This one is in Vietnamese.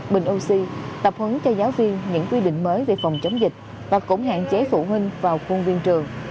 bình oxy tập huấn cho giáo viên những quy định mới về phòng chống dịch và cũng hạn chế phụ huynh vào khuôn viên trường